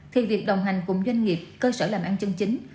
thì việc đồng hành cùng doanh nghiệp cơ sở làm ăn chân chính